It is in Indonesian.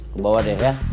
dibawa deh ya